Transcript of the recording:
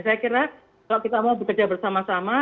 saya kira kalau kita mau bekerja bersama sama